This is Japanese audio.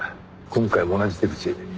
今回も同じ手口。